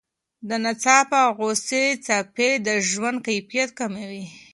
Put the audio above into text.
د ناڅاپه غوسې څپې د ژوند کیفیت کموي.